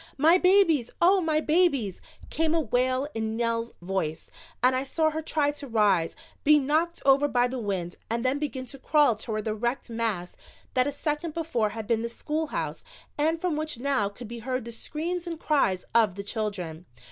"My babies, Oh, my babies!" came a wail in Nell's voice, and I saw her try to rise, be knocked over by the wind and then begin to crawl toward the wrecked mass that a second before had been the schoolhouse and from which now could be heard the screams and cries of the children.